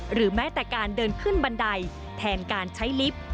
หรือแม้แต่การเดินขึ้นบันไดแทนการใช้ลิฟต์